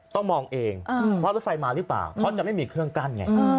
ต้องมองเองว่ารถไฟมาหรือเปล่าเพราะจะไม่มีเครื่องกั้นไง